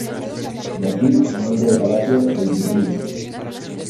De aquí el nombre de palacio de Iturbide.